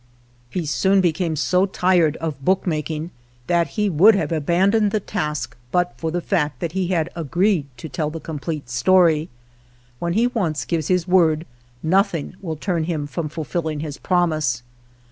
He soon became so tired of book making that he would have abandoned the task but for the fact that he had agreed to tell the complete story. When he once gives his word, nothing will turn him from fulfilling his promise.